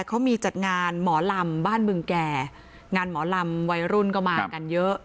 เขามีจัดงานหมอลำบ้านบึงแก่งานหมอลำวัยรุ่นก็มากันเยอะ